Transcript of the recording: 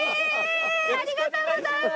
ありがとうございます。